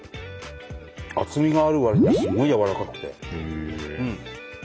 厚みがあるわりにはすごいやわらかくて。